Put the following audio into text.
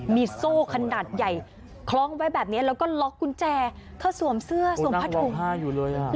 มีโซ่ขนาดใหญ่คล้องไว้แบบนี้แล้วก็ล็อกกุญแจเธอสวมเสื้อสวมผ้าถุงผ้าอยู่เลยอ่ะ